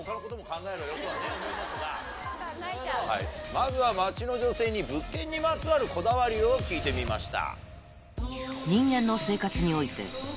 まずは街の女性に物件にまつわるこだわりを聞いてみました。